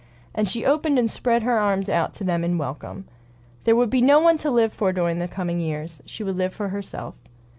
And she opened and spread her arms out to them in welcome. There would be no one to live for her during those coming years; she would live for herself.